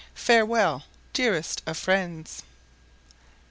Farewell, dearest of friends.